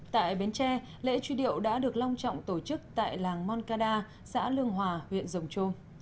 tại bến tre lễ truy điệu đã được long trọng tổ chức tại làng moncada xã lương hòa huyện rồng trô